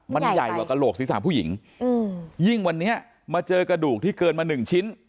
มันใหญ่กว่ากระโหลกศีรษะผู้หญิงยิ่งวันนี้มาเจอกระดูกที่เกินมาหนึ่งชิ้น